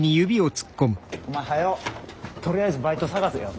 お前はよとりあえずバイト探せよ。